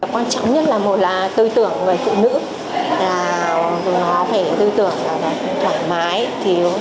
quan trọng nhất là một là tư tưởng về phụ nữ là tư tưởng là thoải mái